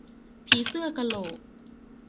ผีเสื้อกะโหลก